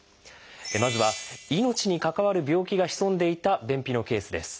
まずは命に関わる病気が潜んでいた便秘のケースです。